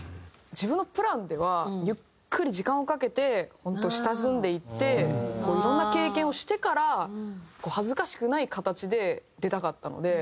自分のプランではゆっくり時間をかけて本当下積んでいっていろんな経験をしてから恥ずかしくない形で出たかったので。